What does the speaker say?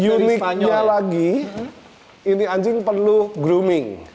uniknya lagi ini anjing perlu grooming